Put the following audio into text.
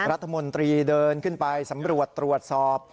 รัฐมนตรีเดินขึ้นไปสำรวจตรวจสอบ